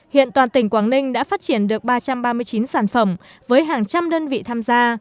hiện toàn tỉnh quảng ninh đã phát triển được ba trăm ba mươi chín sản phẩm với hàng trăm đơn vị tham gia